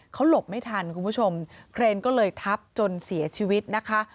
เขาหลบไม่ทันคุณผู้ชมเครนก็เลยทับจนเสียชีวิตนะคะ